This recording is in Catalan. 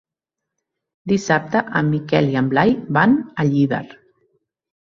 Dissabte en Miquel i en Blai van a Llíber.